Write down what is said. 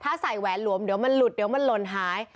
ถ้าใส่แหวนหลวมเดี๋ยวมันหลุดเดี๋ยวมันหล่นหาย